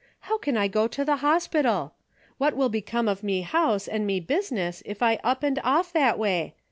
How can I go to the hospital ? What will become of me house, and me business if I up and off that way